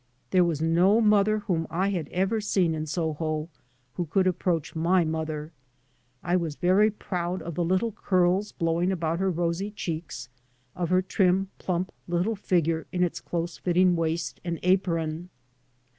There was no mother whom I had ever seen in Soho who could approach my mother. I was very proud of the little curls blowing about her rosy cheeks, of her trim, plump, little figure in its close fitting waist and apron.